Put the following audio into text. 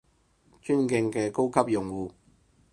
尊敬嘅高級用戶